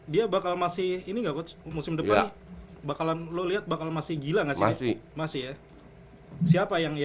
dia bakal masih ini enggak musim depan bakalan lu lihat bakal masih gila masih masih ya siapa yang